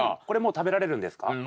これもう食べられるんですか？